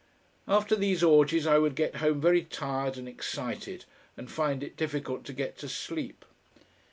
After these orgies I would get home very tired and excited, and find it difficult to get to sleep.